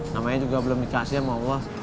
namanya juga belum dikasih sama allah